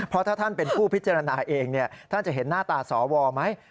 เพราะถ้าท่านเป็นผู้พิจารณาเองท่านจะเห็นหน้าตาสวไหม